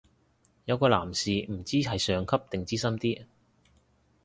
有個男士唔知係上級定資深啲